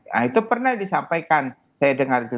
nah itu pernah disampaikan saya dengar itu